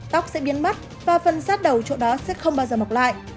tóc sẽ biến mất và phần sát đầu chỗ đó sẽ không bao giờ mọc lại